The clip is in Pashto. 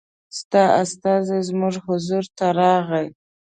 ستا استازی زموږ حضور ته راغی.